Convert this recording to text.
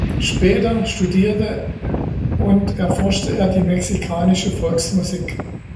Später studierte und erforschte er die mexikanische Volksmusik.